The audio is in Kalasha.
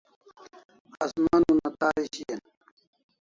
Asman una tari shian